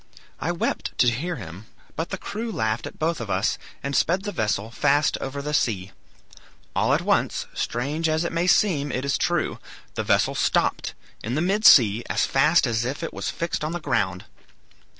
I wept to hear him, but the crew laughed at both of us, and sped the vessel fast over the sea. All at once strange as it may seem, it is true, the vessel stopped, in the mid sea, as fast as if it was fixed on the ground.